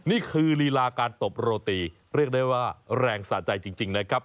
นี่คือลีลาการตบโรตีเรียกได้ว่าแรงสะใจจริงนะครับ